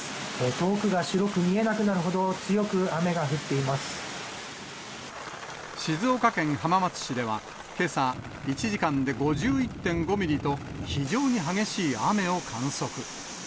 遠くが白く見えなくなるほど、静岡県浜松市では、けさ、１時間で５１．５ミリと、非常に激しい雨を観測。